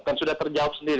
kan sudah terjawab sendiri